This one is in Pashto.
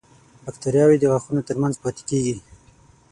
باکتریاوې د غاښونو تر منځ پاتې کېږي.